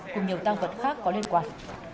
cùng nhiều tăng vật khác có liên quan